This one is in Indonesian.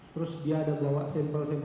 terus dia ada bawa sampel sampel